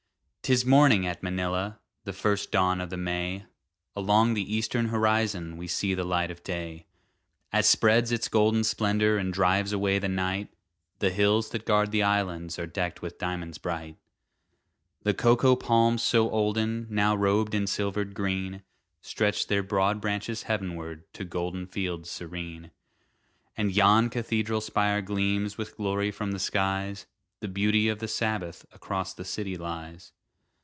'Tis morning at Manila, The first dawn of the May; Along the eastern horizon We see the light of day. As spreads its golden splendor And drives away the night, The hills that guard the islands Are decked with diamonds bright. The cocoa palms so olden, Now robed in silvered green, Stretch their broad branches heav'nward To golden fields serene. And yon cathedral spire gleams With glory from the skies; The beauty of the Sabbath Across the city lies.